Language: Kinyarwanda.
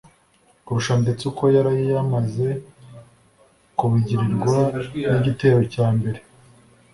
kurusha ndetse uko yari yamaze kubigirirwa n’igitero cya mbere